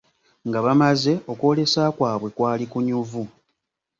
Nga bamaze okwolesa kwabwe okwali okunyuvu,